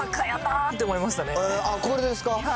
これですか。